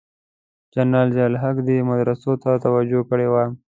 جنرال ضیأ الحق دې مدرسو ته توجه کړې وه.